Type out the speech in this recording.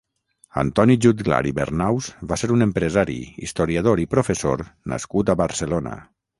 Antoni Jutglar i Bernaus va ser un empresari, historiador i professor nascut a Barcelona.